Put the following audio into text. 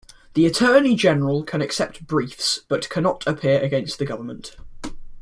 The Attorney General can accept briefs but cannot appear against the Government.